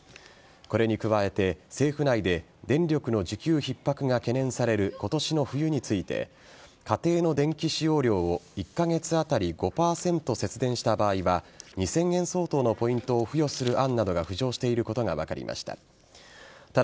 これに加えて、政府内で電力の需給ひっ迫が懸念される今年の冬について家庭の電気使用量を１カ月あたり５％節電した場合は２０００円相当のポイントを付与する案などが浮上していることが分かりました。